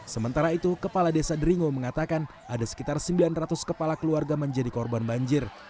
sementara itu kepala desa deringo mengatakan ada sekitar sembilan ratus kepala keluarga menjadi korban banjir